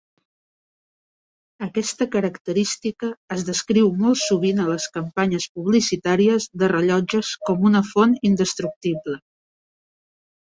Aquesta característica es descriu molt sovint a les campanyes publicitàries de rellotges com una font indestructible.